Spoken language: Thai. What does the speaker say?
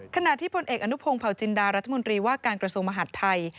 ขณะที่พลเอกอนุพงศ์เผาจินดารัฐมนตรีว่าการกระทรวงมหาดไทย